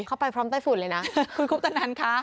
เขาไปพร้อมไต้ฝุ่นเลยนะคุยคุบตั้งนั้นค่ะ